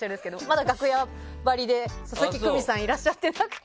まだ楽屋バリで佐々木久美さんがいらっしゃってなくて。